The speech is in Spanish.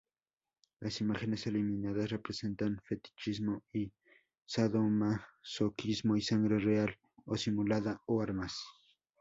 Las imágenes eliminadas representaban fetichismo y sadomasoquismo y sangre real o simulada o armas.